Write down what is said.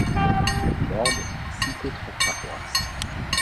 Elle borde cinq autres paroisses.